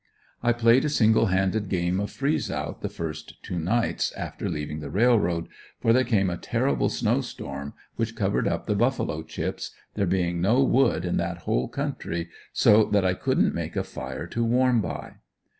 I played a single handed game of freeze out the first two nights after leaving the railroad, for there came a terrible snow storm, which covered up the buffalo chips, there being no wood in that whole country, so that I couldn't make a fire to warm by.